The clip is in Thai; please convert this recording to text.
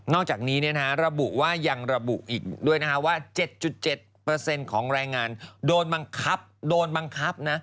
นอกจากนี้ระบุว่ายังระบุอีกด้วยว่า๗๗ของรายงานโดนบังคับ